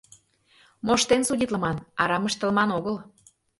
Моштен судитлыман, арам ыштылман огыл...